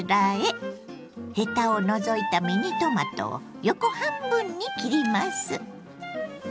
ヘタを除いたミニトマトを横半分に切ります。